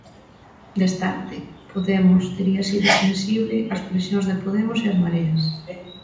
Destarte, Podemos tería sido sensíbel ás presións de Podemos e as mareas.